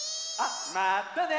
まったね！